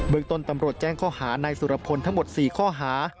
เมืองต้นตำรวจแจ้งข้อหานายสุรพลทั้งหมด๔ข้อหา